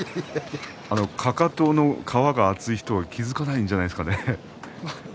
かかとの皮が厚い人は気付かないんじゃないですかね。